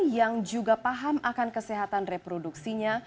yang juga paham akan kesehatan reproduksinya